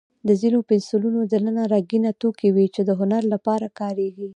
د ځینو پنسلونو دننه رنګینه توکي وي، چې د هنر لپاره کارېږي.